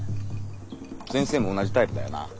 先生も同じタイプだよな。